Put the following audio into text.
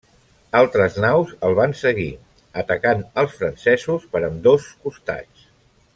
Altres naus el van seguir, atacant als francesos per ambdós costats.